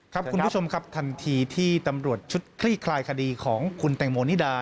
คุณผู้ชมครับทันทีที่ตำรวจชุดคลี่คลายคดีของคุณแตงโมนิดา